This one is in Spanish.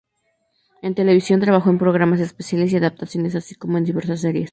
En televisión, trabajó en programas especiales y adaptaciones, así como en diversas series.